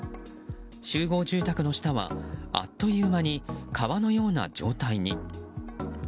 集合住宅の下はあっという間に川のような状態に。